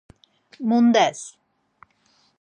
Mundes?